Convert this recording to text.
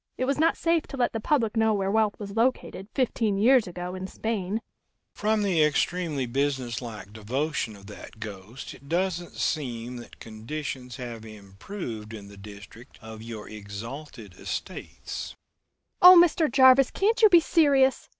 It was not safe to let the public know where wealth was located, fifteen years ago, in Spain." "From the extremely businesslike devotion of that ghost, it doesn't seem that conditions have improved in the district of your exalted estates!" "Oh, Mr. Jarvis, can't you be serious?